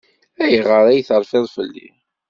Ayɣer ay terfiḍ fell-i?